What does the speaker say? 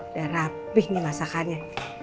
udah rapih nih masakannya